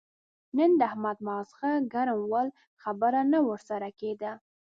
نن د احمد ماغزه ګرم ول؛ خبره نه ور سره کېده.